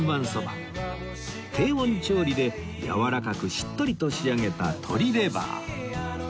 低温調理でやわらかくしっとりと仕上げた鶏レバー